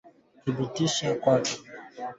Katumbi aliongozaka jimbo ya katanga vizuri